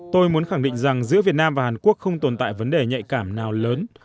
tôi muốn khẳng định rằng giữa việt nam và hàn quốc không tồn tại vấn đề nhạy cảm nào lớn